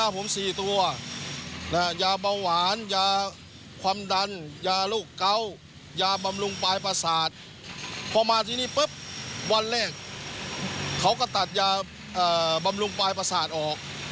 ปุ๊บวันแรกเขาก็ตัดยาบำรุงปลายประสาทออก